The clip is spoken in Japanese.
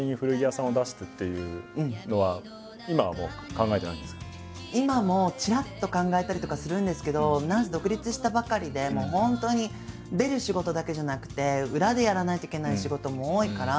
最初に考えてた今もちらっと考えたりとかはするんですけど何せ独立したばかりでもう本当に出る仕事だけじゃなくて裏でやらないといけない仕事も多いから。